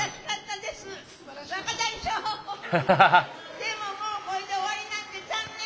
でも、もうこれで終わりなんて残念！